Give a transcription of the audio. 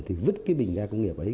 thì vứt cái bình ga công nghiệp ấy